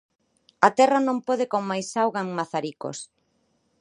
A terra non pode con máis auga en Mazaricos.